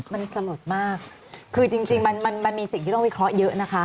มันสลดมากคือจริงมันมันมีสิ่งที่ต้องวิเคราะห์เยอะนะคะ